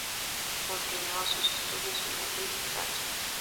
Continúa sus estudios en Madrid y Francia.